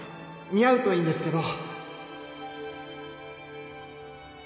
似合うといいんですけど